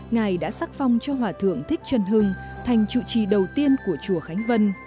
ngài đã sắc phong cho hòa thượng thích trần hưng thành chủ trì đầu tiên của chùa khánh vân